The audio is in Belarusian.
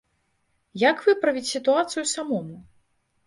Як выправіць сітуацыю самому?